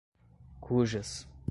cujas